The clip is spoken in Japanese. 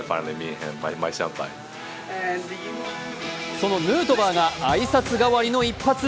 そのヌートバーが挨拶代わりの一発。